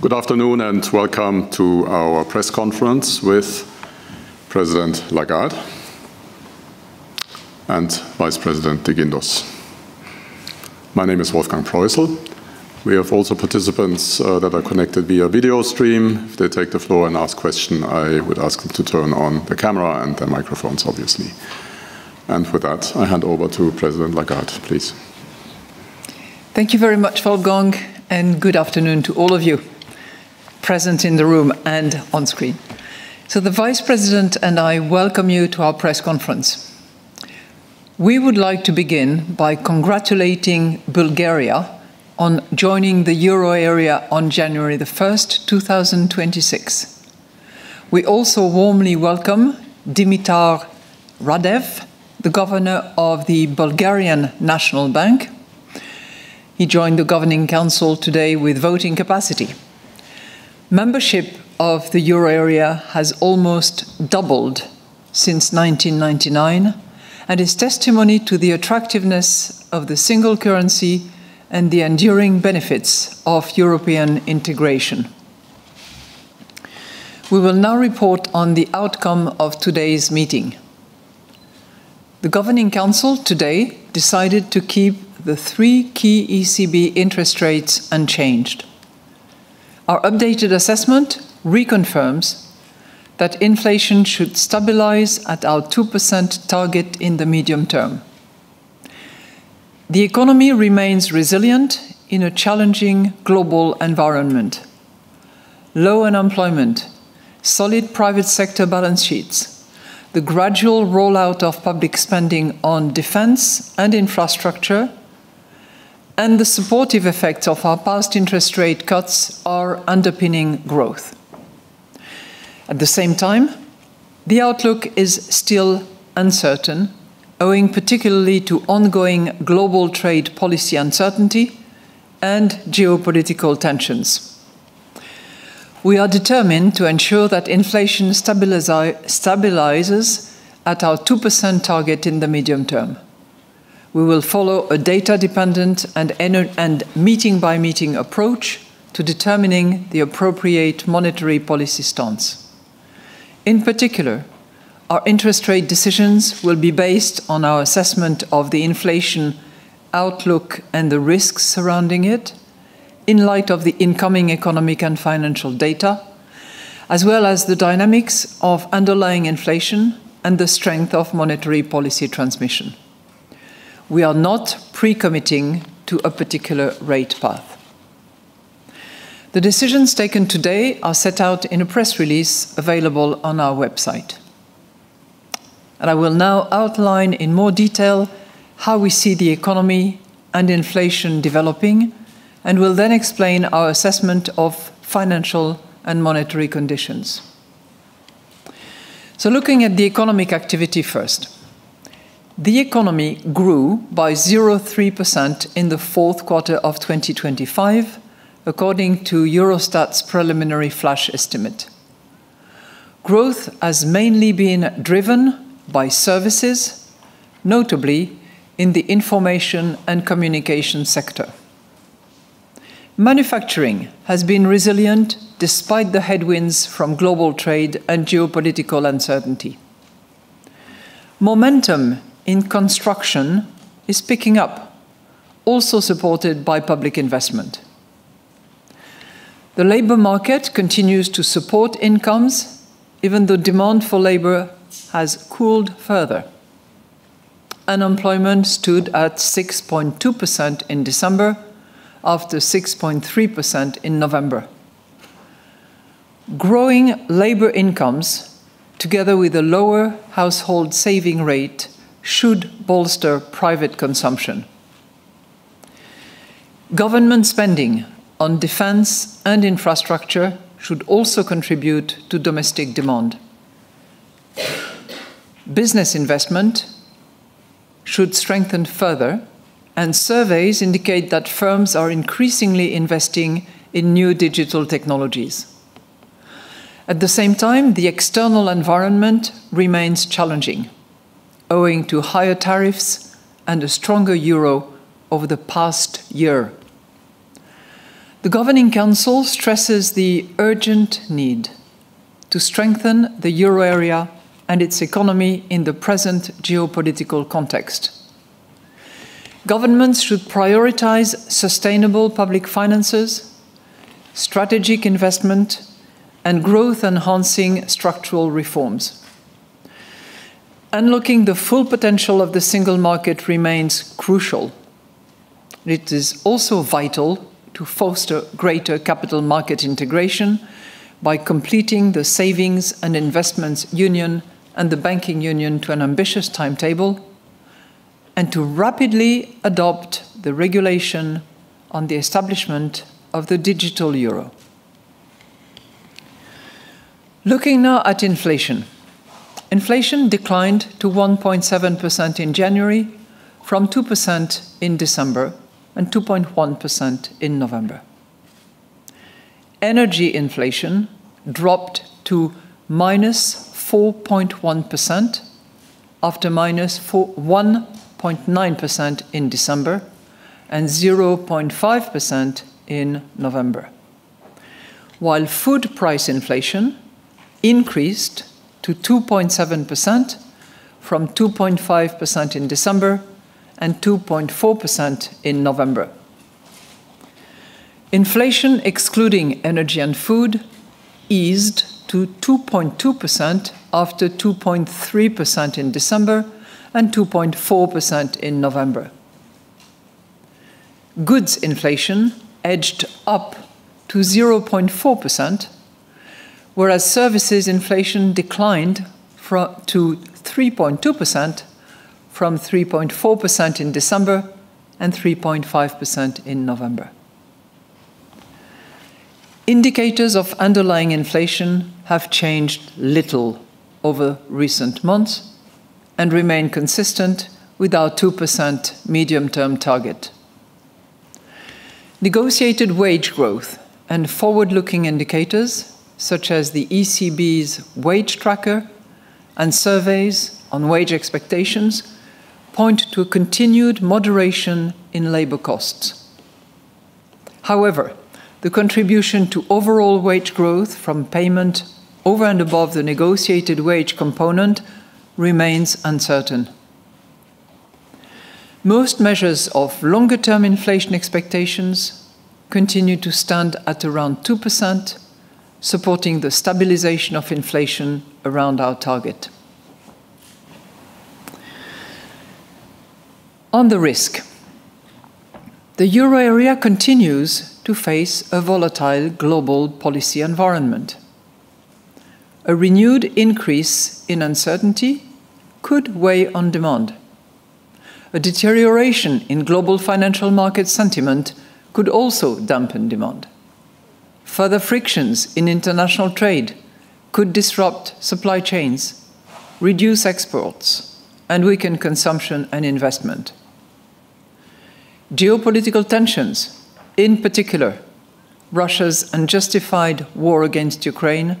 Good afternoon, and welcome to our press conference with President Lagarde and Vice President de Guindos. My name is Wolfgang Proissl. We have also participants that are connected via video stream. If they take the floor and ask question, I would ask them to turn on the camera and the microphones, obviously. And with that, I hand over to President Lagarde, please. Thank you very much, Wolfgang, and good afternoon to all of you present in the room and on screen. The Vice President and I welcome you to our press conference. We would like to begin by congratulating Bulgaria on joining the euro area on January the 1st, 2026. We also warmly welcome Dimitar Radev, the governor of the Bulgarian National Bank. He joined the Governing Council today with voting capacity. Membership of the euro area has almost doubled since 1999, and is testimony to the attractiveness of the single currency and the enduring benefits of European integration. We will now report on the outcome of today's meeting. The Governing Council today decided to keep the three key ECB interest rates unchanged. Our updated assessment reconfirms that inflation should stabilize at our 2% target in the medium term. The economy remains resilient in a challenging global environment. Low unemployment, solid private sector balance sheets, the gradual rollout of public spending on defense and infrastructure, and the supportive effects of our past interest rate cuts are underpinning growth. At the same time, the outlook is still uncertain, owing particularly to ongoing global trade policy uncertainty and geopolitical tensions. We are determined to ensure that inflation stabilizes at our 2% target in the medium term. We will follow a data-dependent and meeting-by-meeting approach to determining the appropriate monetary policy stance. In particular, our interest rate decisions will be based on our assessment of the inflation outlook and the risks surrounding it, in light of the incoming economic and financial data, as well as the dynamics of underlying inflation and the strength of monetary policy transmission. We are not pre-committing to a particular rate path. The decisions taken today are set out in a press release available on our website. I will now outline in more detail how we see the economy and inflation developing, and will then explain our assessment of financial and monetary conditions. Looking at the economic activity first, the economy grew by 0.3% in the fourth quarter of 2025, according to Eurostat's preliminary flash estimate. Growth has mainly been driven by services, notably in the information and communication sector. Manufacturing has been resilient despite the headwinds from global trade and geopolitical uncertainty. Momentum in construction is picking up, also supported by public investment. The labor market continues to support incomes, even though demand for labor has cooled further. Unemployment stood at 6.2% in December, after 6.3% in November. Growing labor incomes, together with a lower household saving rate, should bolster private consumption. Government spending on defense and infrastructure should also contribute to domestic demand. Business investment should strengthen further, and surveys indicate that firms are increasingly investing in new digital technologies. At the same time, the external environment remains challenging, owing to higher tariffs and a stronger euro over the past year. The Governing Council stresses the urgent need to strengthen the euro area and its economy in the present geopolitical context. Governments should prioritize sustainable public finances, strategic investment, and growth-enhancing structural reforms. Unlocking the full potential of the single market remains crucial. It is also vital to foster greater capital market integration by completing the Savings and Investment Union and the Banking Union to an ambitious timetable, and to rapidly adopt the regulation on the establishment of the digital euro. Looking now at inflation. Inflation declined to 1.7% in January, from 2% in December, and 2.1% in November. Energy inflation dropped to -4.1% after -4.19% in December, and 0.5% in November. While food price inflation increased to 2.7% from 2.5% in December and 2.4% in November. Inflation, excluding energy and food, eased to 2.2% after 2.3% in December and 2.4% in November. Goods inflation edged up to 0.4%, whereas services inflation declined to 3.2% from 3.4% in December and 3.5% in November. Indicators of underlying inflation have changed little over recent months and remain consistent with our 2% medium-term target. Negotiated wage growth and forward-looking indicators, such as the ECB's Wage Tracker and surveys on wage expectations, point to a continued moderation in labor costs. However, the contribution to overall wage growth from payment over and above the negotiated wage component remains uncertain. Most measures of longer-term inflation expectations continue to stand at around 2%, supporting the stabilization of inflation around our target. On the risk, the Euro area continues to face a volatile global policy environment. A renewed increase in uncertainty could weigh on demand. A deterioration in global financial market sentiment could also dampen demand. Further frictions in international trade could disrupt supply chains, reduce exports, and weaken consumption and investment. Geopolitical tensions, in particular, Russia's unjustified war against Ukraine,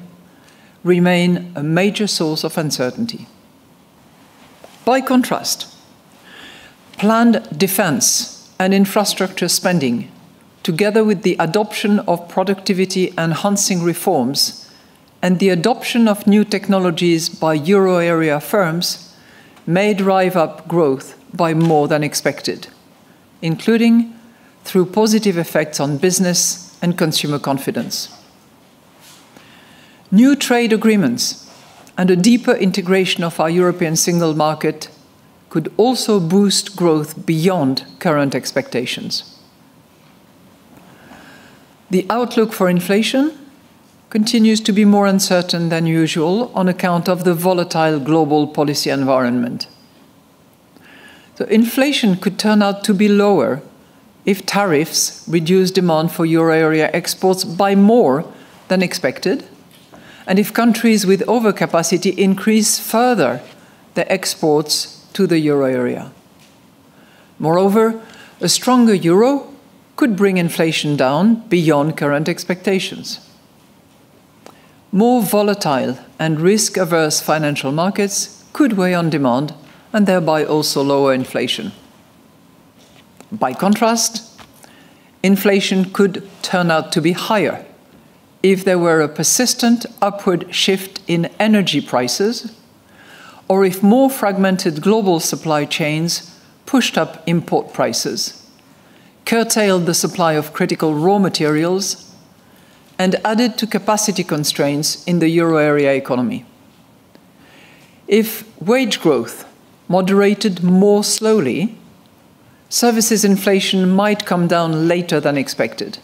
remain a major source of uncertainty. By contrast, planned defense and infrastructure spending, together with the adoption of productivity-enhancing reforms and the adoption of new technologies by euro area firms, may drive up growth by more than expected, including through positive effects on business and consumer confidence. New trade agreements and a deeper integration of our European single market could also boost growth beyond current expectations. The outlook for inflation continues to be more uncertain than usual on account of the volatile global policy environment. So inflation could turn out to be lower if tariffs reduce demand for euro area exports by more than expected, and if countries with overcapacity increase further their exports to the euro area. Moreover, a stronger euro could bring inflation down beyond current expectations. More volatile and risk-averse financial markets could weigh on demand, and thereby also lower inflation. By contrast, inflation could turn out to be higher if there were a persistent upward shift in energy prices, or if more fragmented global supply chains pushed up import prices, curtailed the supply of critical raw materials, and added to capacity constraints in the euro area economy. If wage growth moderated more slowly, services inflation might come down later than expected.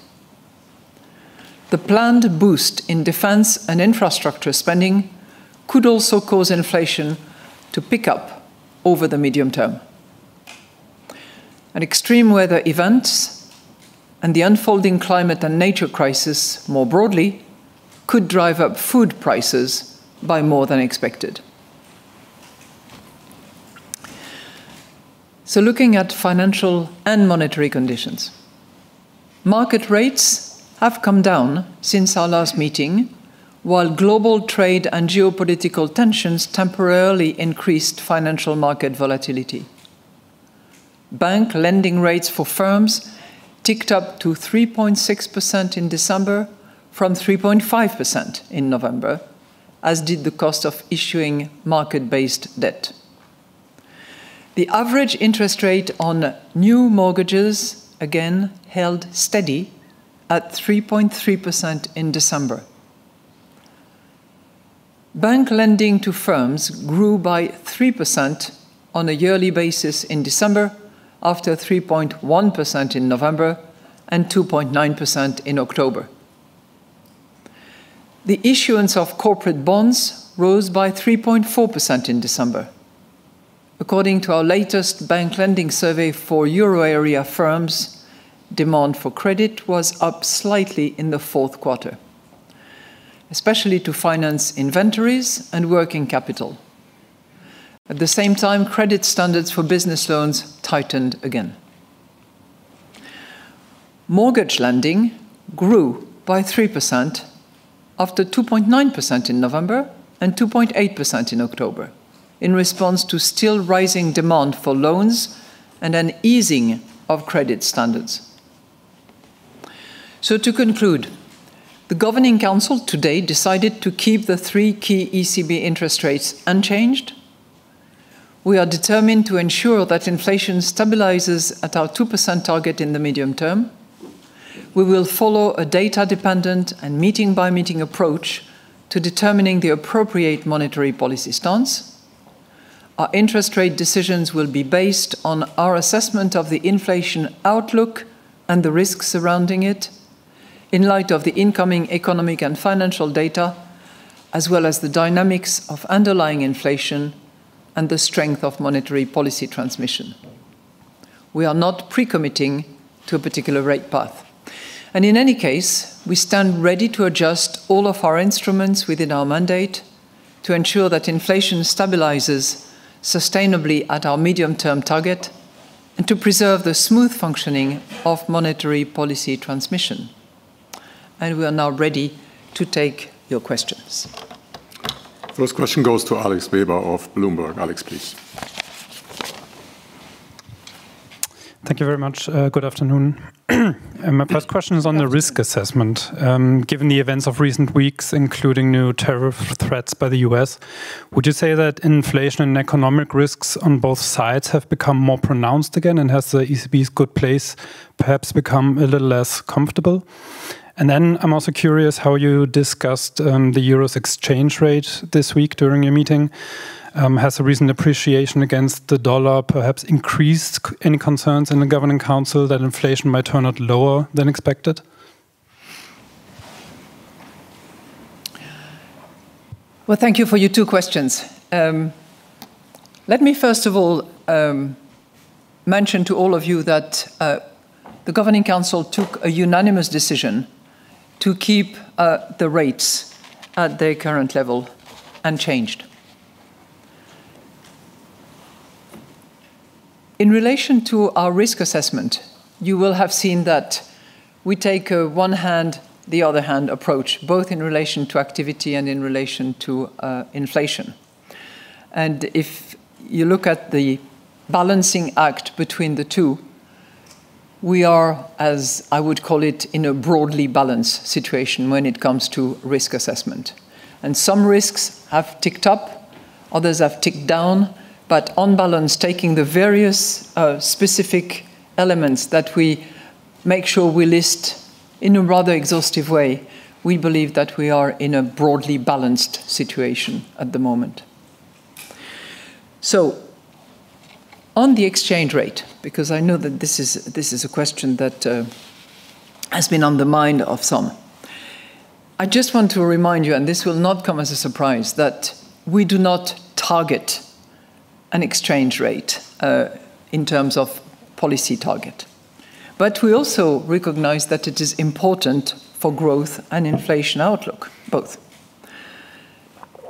The planned boost in defense and infrastructure spending could also cause inflation to pick up over the medium term. Extreme weather events, and the unfolding climate and nature crisis more broadly, could drive up food prices by more than expected. Looking at financial and monetary conditions, market rates have come down since our last meeting, while global trade and geopolitical tensions temporarily increased financial market volatility. Bank lending rates for firms ticked up to 3.6% in December from 3.5% in November, as did the cost of issuing market-based debt. The average interest rate on new mortgages, again, held steady at 3.3% in December. Bank lending to firms grew by 3% on a yearly basis in December, after 3.1% in November and 2.9% in October. The issuance of corporate bonds rose by 3.4% in December. According to our latest bank lending survey for euro area firms, demand for credit was up slightly in the fourth quarter, especially to finance inventories and working capital. At the same time, credit standards for business loans tightened again. Mortgage lending grew by 3% after 2.9% in November and 2.8% in October, in response to still rising demand for loans and an easing of credit standards. So to conclude, the Governing Council today decided to keep the three key ECB interest rates unchanged. We are determined to ensure that inflation stabilizes at our 2% target in the medium term. We will follow a data-dependent and meeting-by-meeting approach to determining the appropriate monetary policy stance. Our interest rate decisions will be based on our assessment of the inflation outlook and the risks surrounding it, in light of the incoming economic and financial data, as well as the dynamics of underlying inflation and the strength of monetary policy transmission. We are not pre-committing to a particular rate path, and in any case, we stand ready to adjust all of our instruments within our mandate to ensure that inflation stabilizes sustainably at our medium-term target, and to preserve the smooth functioning of monetary policy transmission. We are now ready to take your questions. First question goes to Alex Weber of Bloomberg. Alex, please. Thank you very much. Good afternoon. My first question is on the risk assessment. Given the events of recent weeks, including new tariff threats by the U.S., would you say that inflation and economic risks on both sides have become more pronounced again? And has the ECB's good place perhaps become a little less comfortable? And then I'm also curious how you discussed the euro's exchange rate this week during your meeting. Has the recent appreciation against the dollar perhaps increased any concerns in the Governing Council that inflation might turn out lower than expected? Well, thank you for your two questions. Let me first of all mention to all of you that the Governing Council took a unanimous decision to keep the rates at their current level unchanged. In relation to our risk assessment, you will have seen that we take a one hand, the other hand approach, both in relation to activity and in relation to inflation. And if you look at the balancing act between the two, we are, as I would call it, in a broadly balanced situation when it comes to risk assessment, and some risks have ticked up, others have ticked down. But on balance, taking the various specific elements that we make sure we list in a rather exhaustive way, we believe that we are in a broadly balanced situation at the moment. So on the exchange rate, because I know that this is, this is a question that has been on the mind of some, I just want to remind you, and this will not come as a surprise, that we do not target an exchange rate in terms of policy target. But we also recognize that it is important for growth and inflation outlook, both.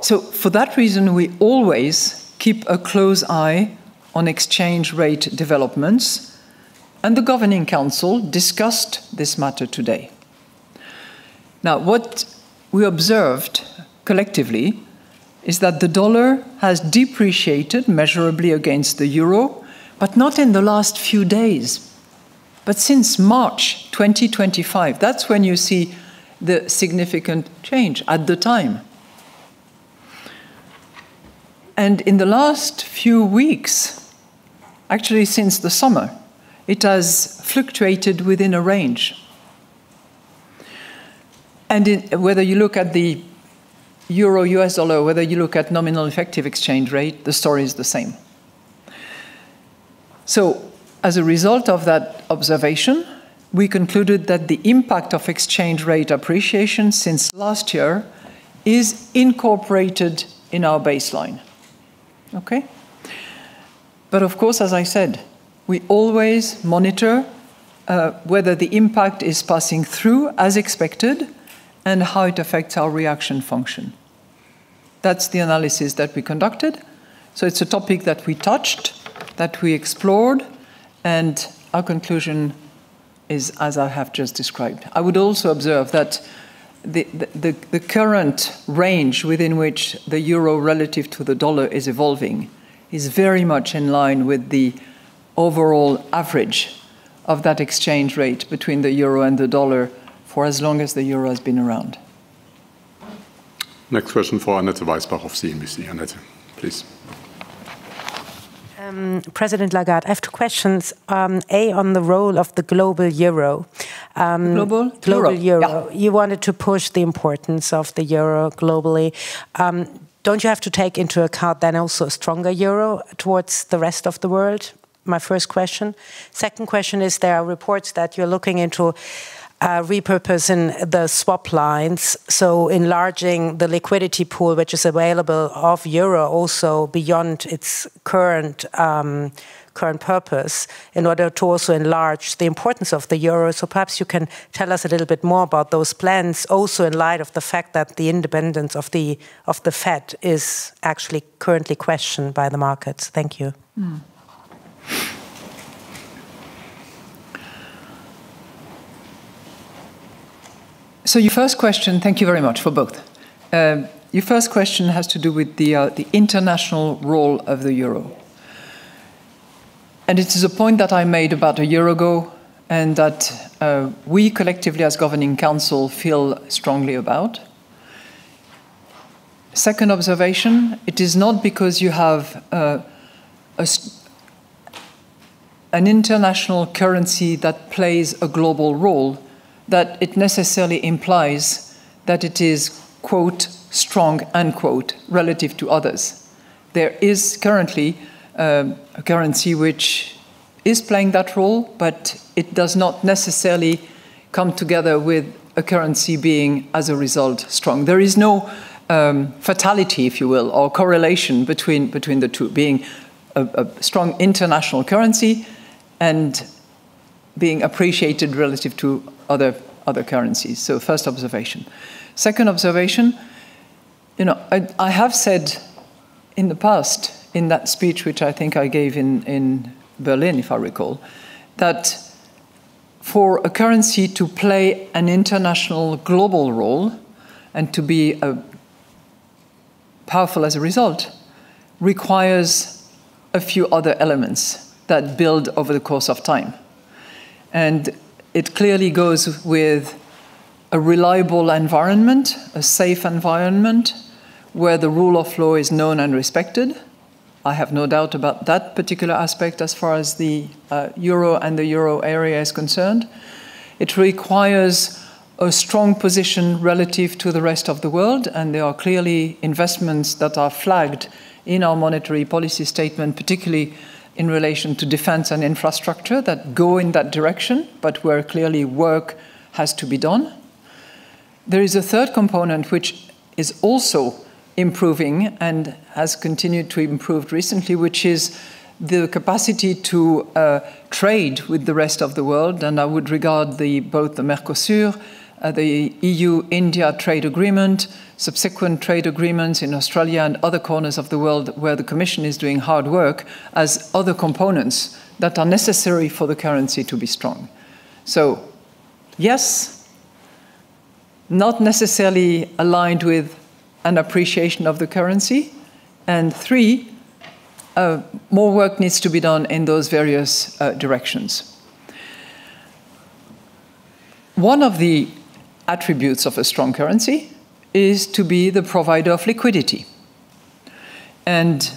So for that reason, we always keep a close eye on exchange rate developments, and the Governing Council discussed this matter today. Now, what we observed collectively is that the dollar has depreciated measurably against the euro, but not in the last few days, but since March 2025. That's when you see the significant change at the time. And in the last few weeks, actually, since the summer, it has fluctuated within a range. And in... Whether you look at the euro, US dollar, whether you look at nominal effective exchange rate, the story is the same. So as a result of that observation, we concluded that the impact of exchange rate appreciation since last year is incorporated in our baseline. Okay? But of course, as I said, we always monitor whether the impact is passing through as expected and how it affects our reaction function. That's the analysis that we conducted, so it's a topic that we touched, that we explored, and our conclusion is, as I have just described. I would also observe that the current range within which the euro relative to the dollar is evolving is very much in line with the overall average of that exchange rate between the euro and the dollar for as long as the euro has been around. Next question for Annette Weisbach of CNBC. Annette, please. President Lagarde, I have two questions, A, on the role of the global euro. Global euro. Global euro. Yeah. You wanted to push the importance of the euro globally. Don't you have to take into account then also a stronger euro towards the rest of the world? My first question. Second question is, there are reports that you're looking into repurposing the swap lines, so enlarging the liquidity pool, which is available of euro, also beyond its current current purpose, in order to also enlarge the importance of the euro. So perhaps you can tell us a little bit more about those plans, also in light of the fact that the independence of the, of the Fed is actually currently questioned by the markets. Thank you. So your first question, thank you very much for both. Your first question has to do with the international role of the euro. And it is a point that I made about a year ago, and that we collectively, as Governing Council, feel strongly about. Second observation, it is not because you have an international currency that plays a global role, that it necessarily implies that it is, quote, strong, unquote, relative to others. There is currently a currency which is playing that role, but it does not necessarily come together with a currency being, as a result, strong. There is no fatality, if you will, or correlation between the two, being a strong international currency and being appreciated relative to other currencies. So first observation. Second observation, you know, I have said in the past, in that speech, which I think I gave in Berlin, if I recall, that for a currency to play an international global role and to be powerful as a result, requires a few other elements that build over the course of time. It clearly goes with a reliable environment, a safe environment, where the rule of law is known and respected. I have no doubt about that particular aspect as far as the euro and the euro area is concerned. It requires a strong position relative to the rest of the world, and there are clearly investments that are flagged in our monetary policy statement, particularly in relation to defense and infrastructure, that go in that direction, but where clearly work has to be done. There is a third component, which is also improving and has continued to improved recently, which is the capacity to trade with the rest of the world, and I would regard the both the Mercosur, the EU-India trade agreement, subsequent trade agreements in Australia and other corners of the world where the Commission is doing hard work, as other components that are necessary for the currency to be strong. So, yes, not necessarily aligned with an appreciation of the currency, and three, more work needs to be done in those various directions. One of the attributes of a strong currency is to be the provider of liquidity, and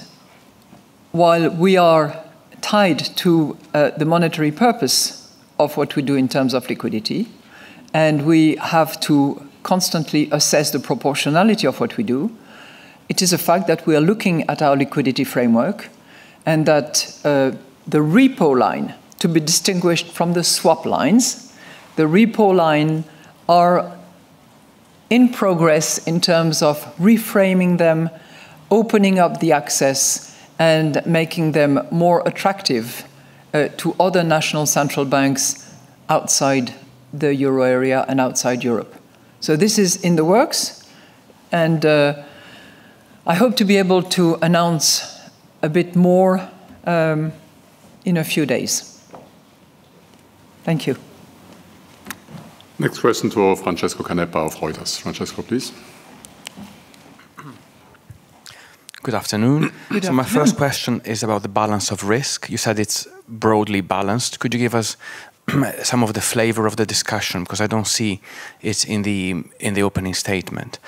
while we are tied to the monetary purpose of what we do in terms of liquidity, and we have to constantly assess the proportionality of what we do, it is a fact that we are looking at our liquidity framework and that the repo line, to be distinguished from the swap lines, the repo line are in progress in terms of reframing them, opening up the access, and making them more attractive to other national central banks outside the Euro area and outside Europe. So this is in the works, and I hope to be able to announce a bit more in a few days. Thank you. Next question to Francesco Canepa of Reuters. Francesco, please. Good afternoon. Good afternoon. So my first question is about the balance of risk. You said it's broadly balanced. Could you give us some of the flavor of the discussion? 'Cause I don't see it's in the opening statement.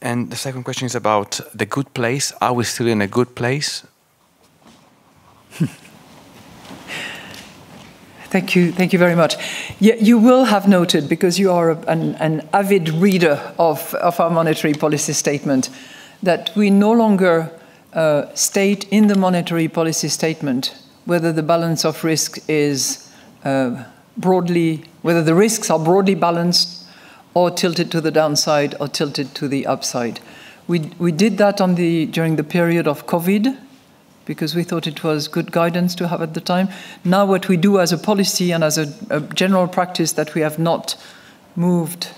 And the second question is about the good place. Are we still in a good place? Thank you. Thank you very much. Yeah, you will have noted, because you are an avid reader of our monetary policy statement, that we no longer state in the monetary policy statement whether the balance of risk is broadly... whether the risks are broadly balanced or tilted to the downside or tilted to the upside. We, we did that during the period of COVID, because we thought it was good guidance to have at the time. Now, what we do as a policy and as a general practice that we have not moved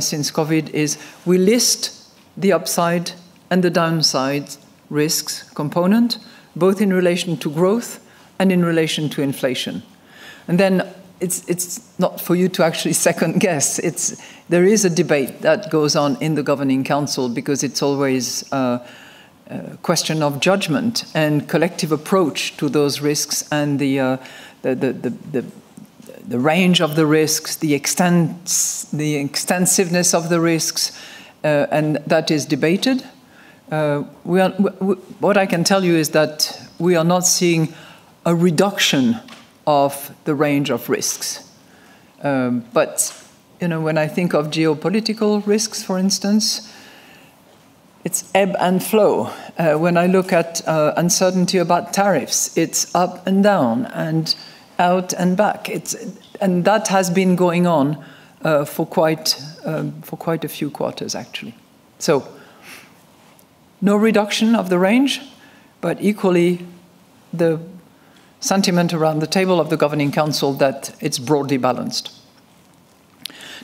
since COVID is we list the upside and the downside risks component, both in relation to growth and in relation to inflation. And then, it's not for you to actually second-guess. There is a debate that goes on in the Governing Council because it's always a question of judgment and collective approach to those risks and the range of the risks, the extents, the extensiveness of the risks, and that is debated. What I can tell you is that we are not seeing a reduction of the range of risks. But, you know, when I think of geopolitical risks, for instance, it's ebb and flow. When I look at uncertainty about tariffs, it's up and down and out and back. It's. And that has been going on for quite a few quarters, actually. So no reduction of the range, but equally, the sentiment around the table of the Governing Council, that it's broadly balanced.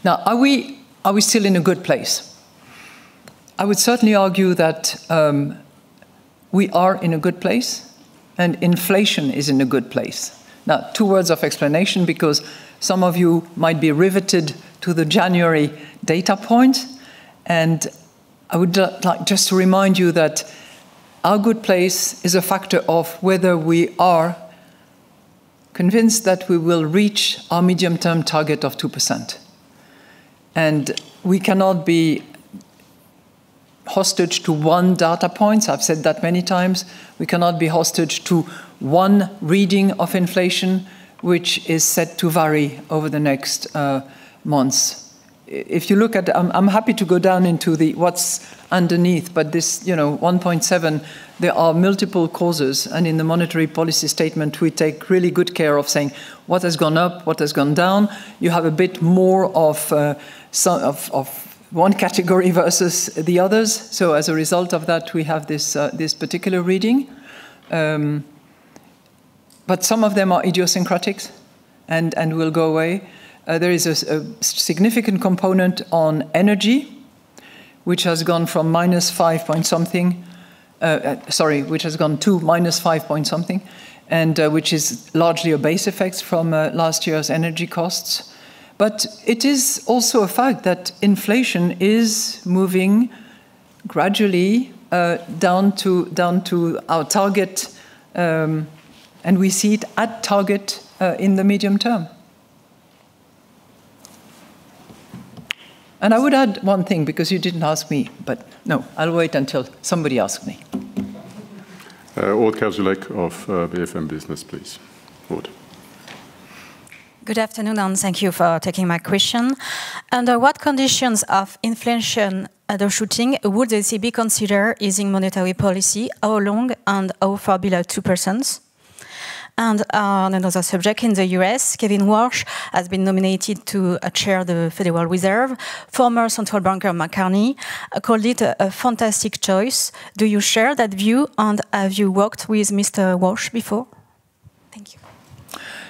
Now, are we, are we still in a good place? I would certainly argue that we are in a good place, and inflation is in a good place. Now, two words of explanation, because some of you might be riveted to the January data point, and I would just like to remind you that our good place is a factor of whether we are convinced that we will reach our medium-term target of 2%. We cannot be hostage to one data point. I've said that many times. We cannot be hostage to one reading of inflation, which is set to vary over the next months. If you look at the... I'm happy to go down into the what's underneath, but this, you know, 1.7, there are multiple causes, and in the monetary policy statement, we take really good care of saying what has gone up, what has gone down. You have a bit more of some of one category versus the others, so as a result of that, we have this particular reading. But some of them are idiosyncratic and will go away. There is a significant component on energy, which has gone from minus five point something. Sorry, which has gone to minus five point something, and which is largely a base effect from last year's energy costs. But it is also a fact that inflation is moving gradually down to our target, and we see it at target in the medium term. And I would add one thing, because you didn't ask me, but. No, I'll wait until somebody asks me. Aude Kersulec of BFM Business, please. Aude. Good afternoon, and thank you for taking my question. Under what conditions of inflation undershooting would the ECB consider easing monetary policy, how long, and how far below 2%? And, on another subject, in the U.S., Kevin Warsh has been nominated to chair the Federal Reserve. Former central banker Mark Carney called it a fantastic choice. Do you share that view, and have you worked with Mr. Warsh before? Thank you.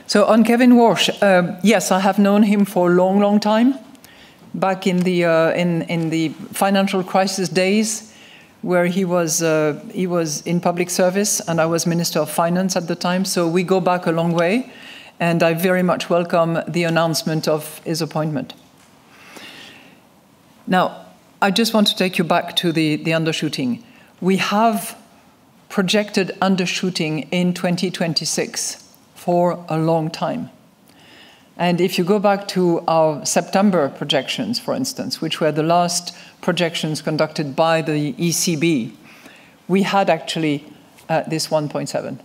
So on Kevin Warsh, yes, I have known him for a long, long time, back in the, in the financial crisis days, where he was, he was in public service, and I was Minister of Finance at the time. So we go back a long way, and I very much welcome the announcement of his appointment. Now, I just want to take you back to the undershooting. We have projected undershooting in 2026 for a long time, and if you go back to our September projections, for instance, which were the last projections conducted by the ECB, we had actually, this 1.7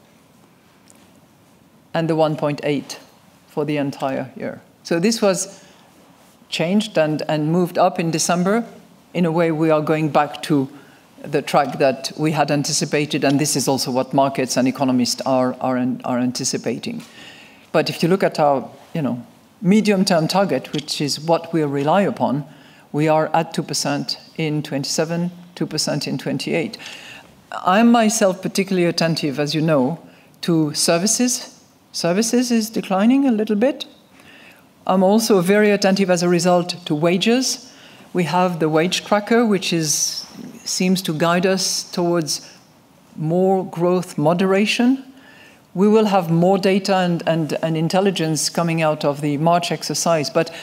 and the 1.8 for the entire year. So this was changed and moved up in December. In a way, we are going back to the track that we had anticipated, and this is also what markets and economists are anticipating. But if you look at our, you know, medium-term target, which is what we rely upon, we are at 2% in 2027, 2% in 2028. I am myself particularly attentive, as you know, to services. Services is declining a little bit. I'm also very attentive as a result to wages. We have the Wage Tracker, which seems to guide us towards more growth moderation. We will have more data and intelligence coming out of the March exercise, but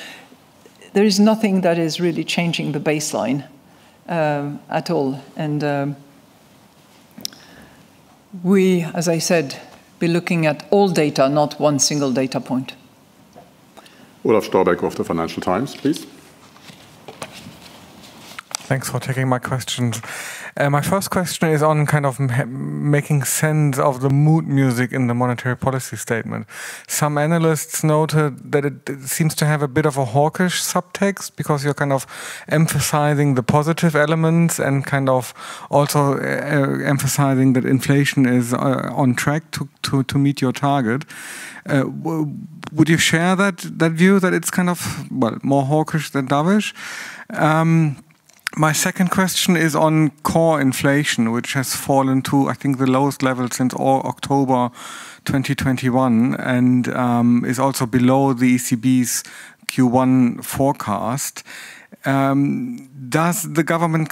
there is nothing that is really changing the baseline at all, and, as I said, we'll be looking at all data, not one single data point. Olaf Storbeck of the Financial Times, please. Thanks for taking my questions. My first question is on kind of making sense of the mood music in the monetary policy statement. Some analysts noted that it seems to have a bit of a hawkish subtext, because you're kind of emphasizing the positive elements and kind of also emphasizing that inflation is on track to meet your target. Would you share that view, that it's kind of, well, more hawkish than dovish? My second question is on core inflation, which has fallen to, I think, the lowest level since October 2021, and is also below the ECB's Q1 forecast. Does the Governing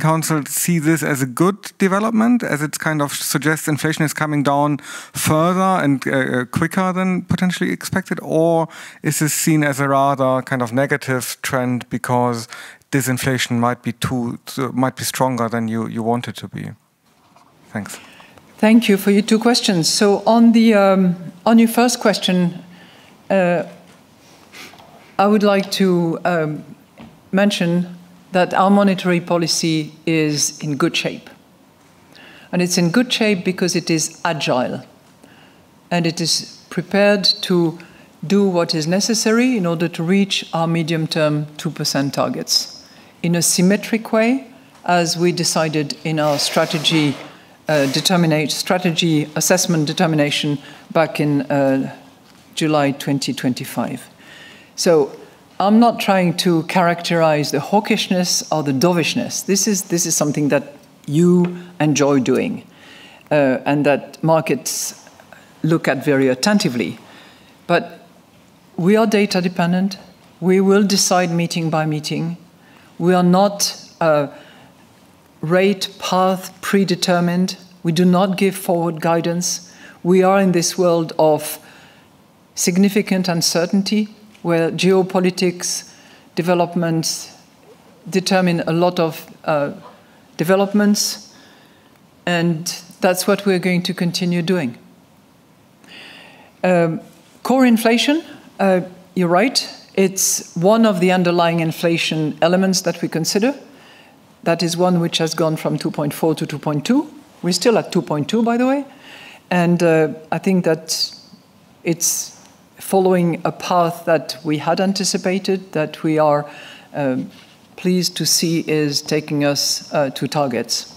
Council see this as a good development, as it kind of suggests inflation is coming down further and quicker than potentially expected? Or is this seen as a rather kind of negative trend because disinflation might be stronger than you want it to be? Thanks. Thank you for your two questions. So on your first question, I would like to mention that our monetary policy is in good shape, and it's in good shape because it is agile, and it is prepared to do what is necessary in order to reach our medium-term 2% targets in a symmetric way, as we decided in our strategy assessment determination back in July 2025. So I'm not trying to characterize the hawkishness or the dovishness. This is, this is something that you enjoy doing, and that markets look at very attentively. But we are data-dependent. We will decide meeting by meeting. We are not a rate path predetermined. We do not give forward guidance. We are in this world of significant uncertainty, where geopolitical developments determine a lot of developments, and that's what we're going to continue doing. Core inflation, you're right, it's one of the underlying inflation elements that we consider. That is one which has gone from 2.4 to 2.2. We're still at 2.2, by the way, and I think that it's following a path that we had anticipated, that we are pleased to see is taking us to targets.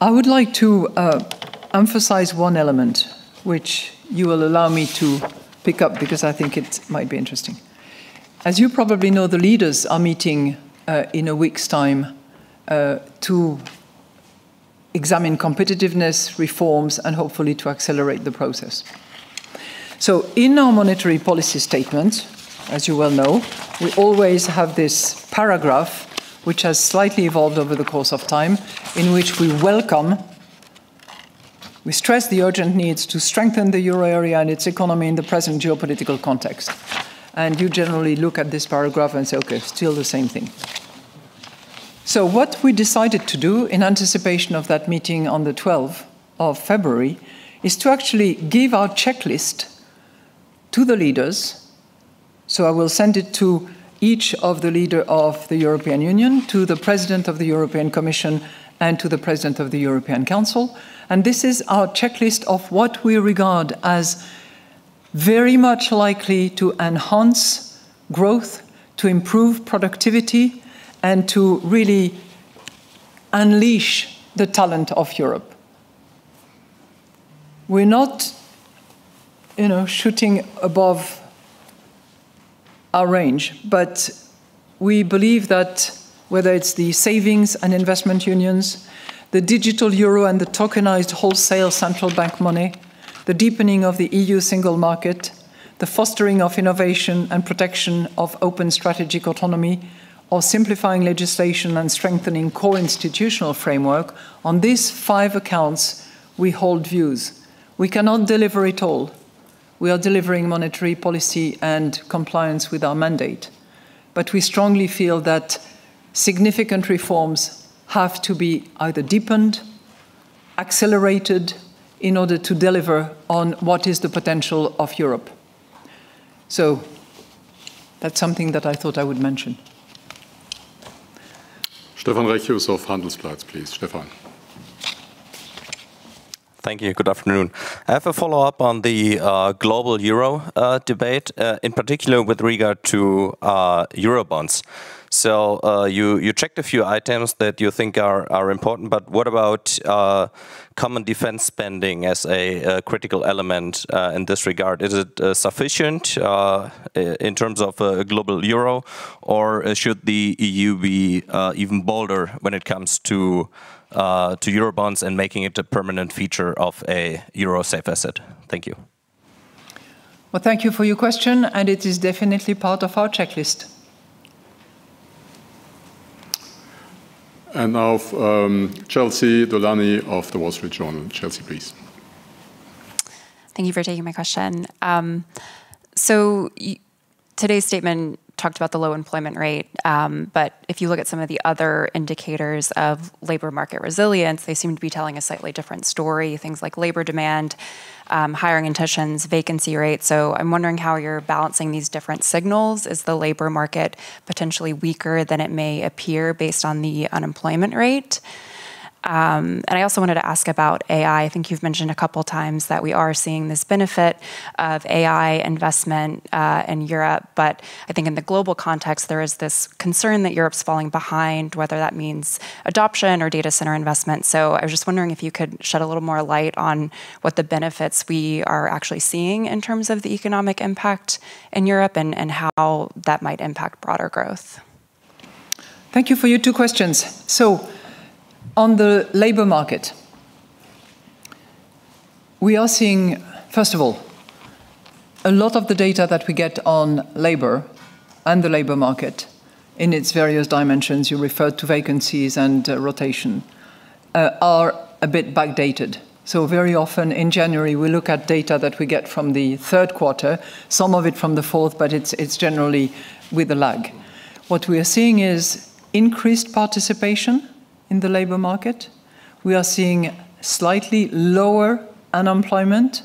I would like to emphasize one element, which you will allow me to pick up, because I think it might be interesting. As you probably know, the leaders are meeting in a week's time to examine competitiveness, reforms, and hopefully to accelerate the process. So in our monetary policy statement, as you well know, we always have this paragraph, which has slightly evolved over the course of time, in which we welcome. We stress the urgent needs to strengthen the Euro area and its economy in the present geopolitical context. And you generally look at this paragraph and say, "Okay, still the same thing." So what we decided to do in anticipation of that meeting on the 12th of February, is to actually give our checklist to the leaders, so I will send it to each of the leader of the European Union, to the President of the European Commission, and to the President of the European Council, and this is our checklist of what we regard as very much likely to enhance growth, to improve productivity, and to really unleash the talent of Europe. We're not, you know, shooting above our range, but we believe that whether it's the savings and investment unions, the digital euro and the tokenized wholesale central bank money, the deepening of the EU single market, the fostering of innovation and protection of open strategic autonomy, or simplifying legislation and strengthening core institutional framework, on these five accounts, we hold views. We cannot deliver it all. We are delivering monetary policy and compliance with our mandate, but we strongly feel that significant reforms have to be either deepened, accelerated, in order to deliver on what is the potential of Europe. So that's something that I thought I would mention. Stefan Reccius of Handelsblatt, please. Stefan. Thank you. Good afternoon. I have a follow-up on the global euro debate, in particular with regard to Eurobonds. So, you checked a few items that you think are important, but what about common defense spending as a critical element in this regard? Is it sufficient in terms of a global euro, or should the EU be even bolder when it comes to Eurobonds and making it a permanent feature of a euro safe asset? Thank you. Well, thank you for your question, and it is definitely part of our checklist. And now, Chelsey Dulaney of The Wall Street Journal. Chelsey, please. Thank you for taking my question. So today's statement talked about the low employment rate, but if you look at some of the other indicators of labor market resilience, they seem to be telling a slightly different story, things like labor demand, hiring intentions, vacancy rates. So I'm wondering how you're balancing these different signals. Is the labor market potentially weaker than it may appear based on the unemployment rate? And I also wanted to ask about AI. I think you've mentioned a couple of times that we are seeing this benefit of AI investment, in Europe, but I think in the global context, there is this concern that Europe's falling behind, whether that means adoption or data center investment. I was just wondering if you could shed a little more light on what the benefits we are actually seeing in terms of the economic impact in Europe and how that might impact broader growth? Thank you for your two questions. So on the labor market, we are seeing, first of all, a lot of the data that we get on labor and the labor market in its various dimensions, you referred to vacancies and rotation, are a bit backdated. So very often in January, we look at data that we get from the third quarter, some of it from the fourth, but it's, it's generally with a lag. What we are seeing is increased participation in the labor market. We are seeing slightly lower unemployment,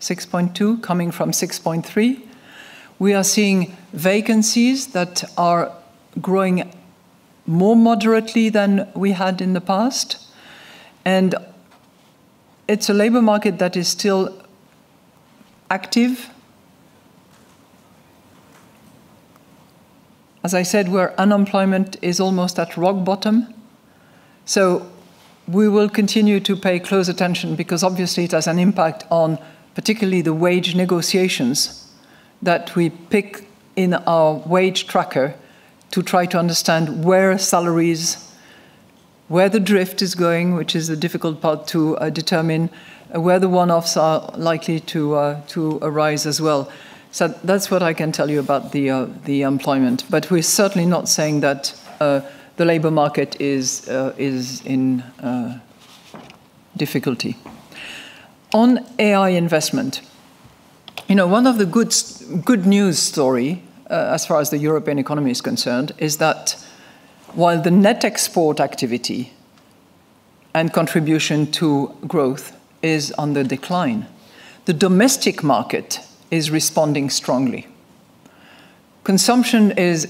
6.2 coming from 6.3. We are seeing vacancies that are growing more moderately than we had in the past, and it's a labor market that is still active. As I said, where unemployment is almost at rock bottom. So we will continue to pay close attention, because obviously it has an impact on particularly the wage negotiations that we pick in our wage tracker to try to understand where the drift is going, which is a difficult part to determine, where the one-offs are likely to arise as well. So that's what I can tell you about the employment, but we're certainly not saying that the labor market is in difficulty. On AI investment, you know, one of the good news story as far as the European economy is concerned, is that while the net export activity and contribution to growth is on the decline, the domestic market is responding strongly. Consumption is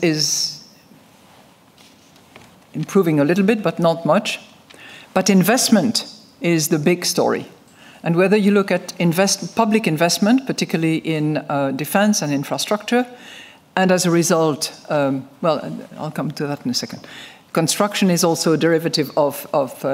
improving a little bit, but not much. But investment is the big story, and whether you look at public investment, particularly in defense and infrastructure, and as a result. Well, I'll come to that in a second. Construction is also a derivative of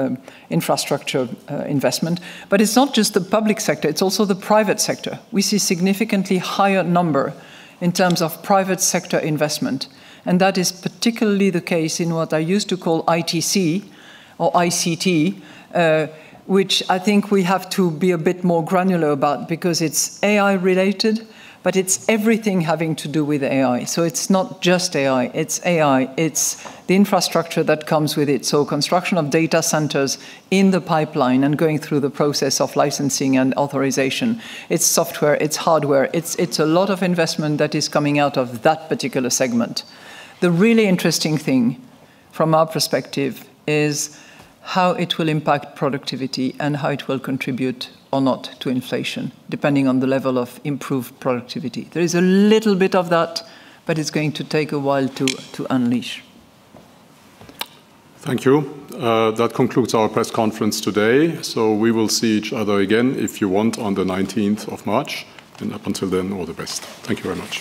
infrastructure investment, but it's not just the public sector, it's also the private sector. We see significantly higher number in terms of private sector investment, and that is particularly the case in what I used to call ITC or ICT, which I think we have to be a bit more granular about because it's AI related, but it's everything having to do with AI. So it's not just AI, it's AI, it's the infrastructure that comes with it, so construction of data centers in the pipeline and going through the process of licensing and authorization. It's software, it's hardware, it's a lot of investment that is coming out of that particular segment. The really interesting thing from our perspective is how it will impact productivity and how it will contribute or not to inflation, depending on the level of improved productivity. There is a little bit of that, but it's going to take a while to unleash. Thank you. That concludes our press conference today. So we will see each other again, if you want, on the 19th of March, and up until then, all the best. Thank you very much.